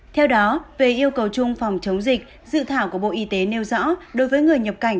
theo đó về yêu cầu chung phòng chống dịch dự thảo của bộ y tế nêu rõ đối với người nhập cảnh